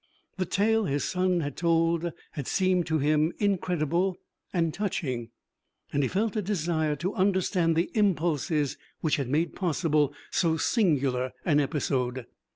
The tale his son had told had seemed to him incredible and touching, and he felt a desire to understand the impulses which had made possible so singular an episode.